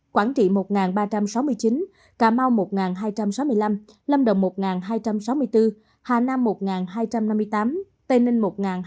quảng trị một ba trăm sáu mươi chín cà mau một hai trăm sáu mươi năm lâm đồng một hai trăm sáu mươi bốn hà nam một hai trăm năm mươi tám tây ninh một hai trăm ba mươi tám